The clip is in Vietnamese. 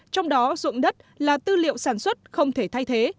trong đó dụng đất là tư liệu sản xuất không thể thay thế